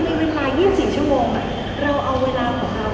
ในเวลา๒๔ชั่วโมงเราเอาเวลาของเรา